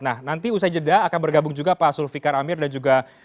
nah nanti usai jeda akan bergabung juga pak sulfikar amir dan juga